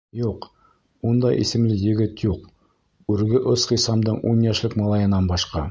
Юҡ, ундай исемле егет юҡ, үрге ос Хисамдың ун йәшлек малайынан башҡа.